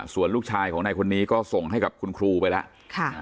ส่วนลูกชายของนายคนนี้ก็ส่งให้กับคุณครูไปแล้ว